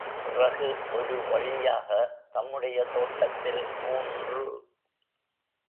பிறகு, ஒரு வழியாக, தம்முடைய தோட்டத்தில் மூன்று.